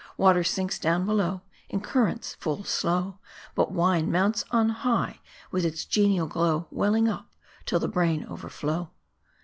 Water sinks down below, in currents full slow ; But wine mounts on high w T ith its genial glow : Welling up, till the brain overflow